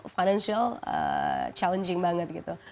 financial challenging banget gitu